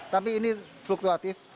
tapi ini fluktuatif